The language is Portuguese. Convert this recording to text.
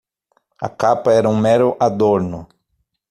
A capa era um mero adorno.